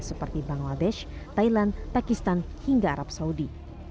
seperti bangladesh thailand pakistan hingga arab saudi